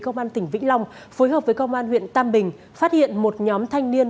công an tỉnh vĩnh long phối hợp với công an huyện tam bình phát hiện một nhóm thanh niên